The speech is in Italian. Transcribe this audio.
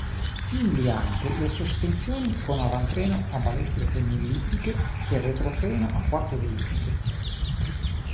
Simili anche le sospensioni con avantreno a balestre semiellittiche e retrotreno a quarto d'ellisse.